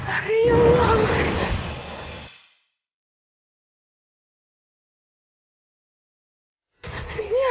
ari ari ya allah